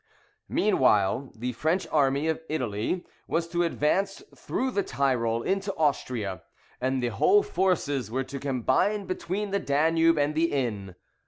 Meanwhile the French army of Italy was to advance through the Tyrol into Austria, and the whole forces were to combine between the Danube and the Inn.